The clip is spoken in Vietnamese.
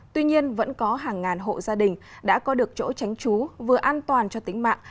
tuy nhiên vẫn có hàng ngàn hộ gia đình đã có được chỗ tránh trú vừa an toàn cho tính mạng